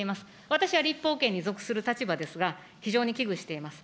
私は立法権に属する立場ですが、非常に危惧しています。